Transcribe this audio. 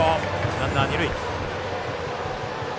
ランナー、二塁。